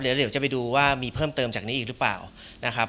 เดี๋ยวจะไปดูว่ามีเพิ่มเติมจากนี้อีกหรือเปล่านะครับ